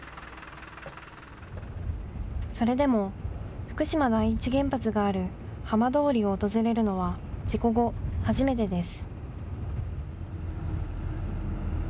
それでも福島第一原発がある浜通りを訪れるのは事故後初めてです。